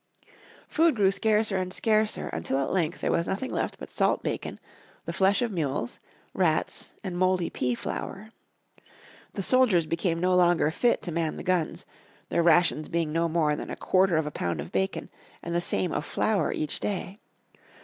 Food grew scarcer and scarcer until at length there was nothing left but salt bacon, the flesh of mules, rats, and mouldy pea flour. The soldiers became no longer fit to man the guns, their rations being no more than a quarter of a pound of bacon and the same of flour each day.